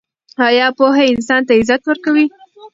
آیا پوهه انسان ته عزت ورکوي؟